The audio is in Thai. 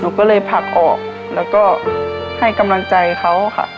ก็เลยผลักออกแล้วก็ให้กำลังใจเขาค่ะ